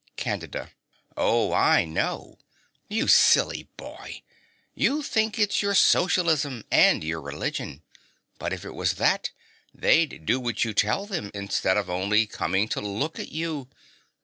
CANDIDA. Oh, I know. You silly boy: you think it's your Socialism and your religion; but if it was that, they'd do what you tell them instead of only coming to look at you.